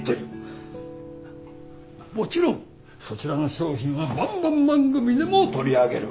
もちろんそちらの商品はばんばん番組でも取り上げる。